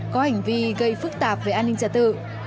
có hành vi gây phức tạp về an ninh trật tự